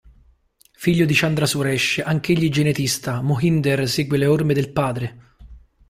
Figlio di Chandra Suresh, anch'egli genetista, Mohinder, segue le orme del padre.